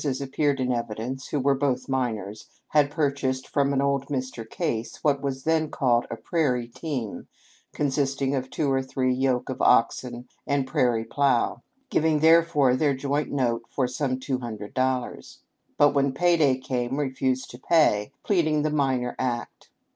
as appeared in evidence (who were both minors), had purchased from an old Mr. Case what was then called a " prairie team," consisting of two or three yoke of oxen and prairie plow, giving therefor their joint note for some two hundred dollars ; but when pay day came refused to pay, pleading the minor act.